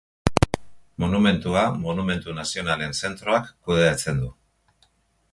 Monumentua Monumentu Nazionalen Zetroak kudeatzen du.